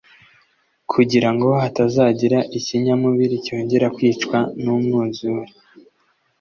kugira ngo hatazagira ikinyamubiri cyongera kwicwa n'umwuzure